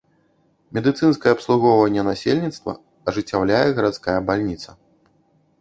Медыцынскае абслугоўванне насельніцтва ажыццяўляе гарадская бальніца.